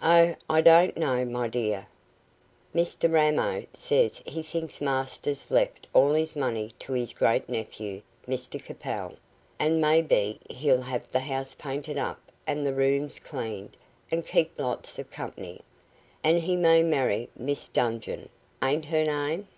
"Oh, I don't know, my dear. Mr Ramo says he thinks master's left all his money to his great nephew, Mr Capel, and may be he'll have the house painted up and the rooms cleaned, and keep lots of company. An' he may marry this Miss Dungeon ain't her name?"